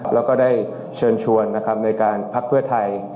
แล้วก็ได้เชิญชวนนะครับในการพักเพื่อไทย